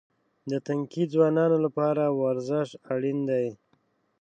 د تنکي ځوانانو لپاره ورزش اړین دی.